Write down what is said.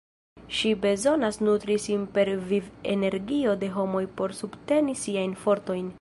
Ŝi bezonas nutri sin per viv-energio de homoj por subteni siajn fortojn.